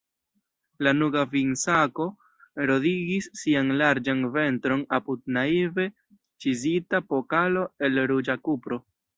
Lanuga vinsako rondigis sian larĝan ventron apud naive ĉizita pokalo el ruĝa kupro.